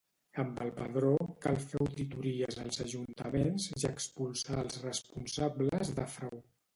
Amb el Padró cal fer auditories als Ajuntaments i expulsar els responsables de frau